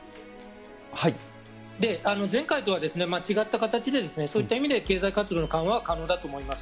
前回とは違った形でそういった意味では経済活動の緩和は可能だと思います。